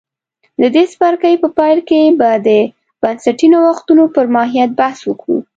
د دې څپرکي په پیل کې به د بنسټي نوښتونو پر ماهیت بحث وکړو